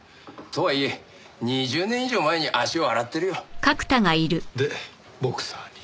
とはいえ２０年以上前に足を洗ってるよ。でボクサーに？